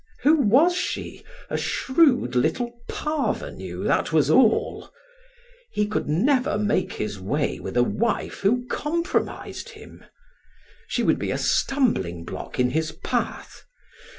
Who was she? A shrewd little parvenue, that was all. He could never make his way with a wife who compromised him. She would be a stumbling block in his path.